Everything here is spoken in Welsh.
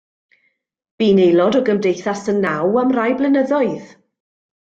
Bu'n aelod o Gymdeithas Y Naw am rai blynyddoedd.